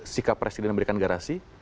sikap presiden memberikan garasi